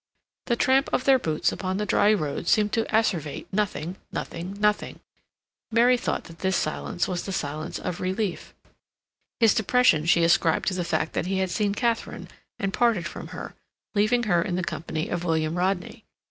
The tramp of their boots upon the dry road seemed to asseverate nothing, nothing, nothing. Mary thought that this silence was the silence of relief; his depression she ascribed to the fact that he had seen Katharine and parted from her, leaving her in the company of William Rodney.